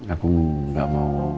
aku gak mau